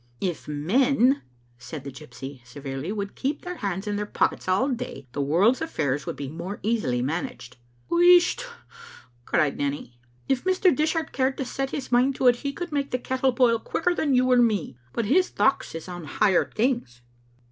" "If men," said the gypsy, severely, "would keep their hands in their pockets all day, the world's affairs would be more easily managed." "Wheesht!" cried Nanny, "if Mr. Dishart cared to set his mind to it, he could make the kettle boil quicker than you or me. But his thochts is on higher things.